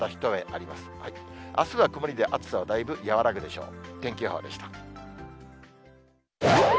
あすは曇りで暑さはだいぶ和らぐでしょう。